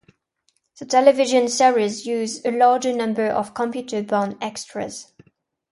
The television series uses a large number of computer-bound extras.